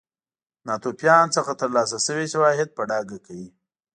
ناتوفیان څخه ترلاسه شوي شواهد په ډاګه کوي.